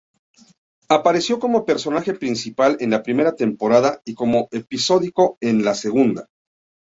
Apareció como personaje principal en la primera temporada y como episódico en la segunda.